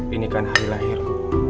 ini kan hari lahirku